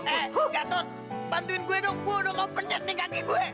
eh nggak tau bantuin gue dong gue udah mau penyet nih kaki gue